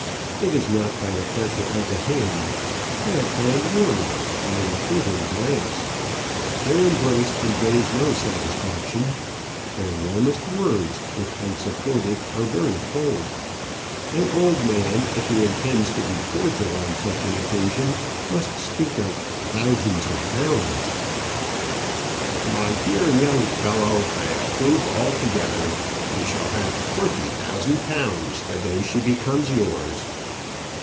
It is not by a pressure of the hand, by a kind word, by an approving glance. Their embrace conveys no satisfaction; their warmest words, if unsupported, are very cold. An old man, if he intends to be cordial on such an occasion, must speak of thousands of pounds. "My dear young fellow, I approve altogether. She shall have twenty thousand pounds the day she becomes yours."